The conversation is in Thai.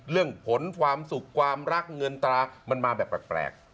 เรื่องผลความสุขความรักเงินตรามันมาแบบแปลก